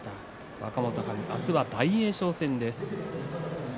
若元春、明日は大栄翔戦です。